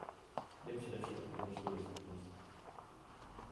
Jde především o finanční dostupnost.